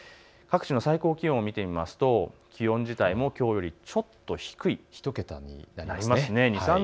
各地の最高気温を見てみますと気温自体もきょうよりちょっと低い１桁になります。